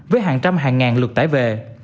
với hàng trăm hàng ngàn lượt tải về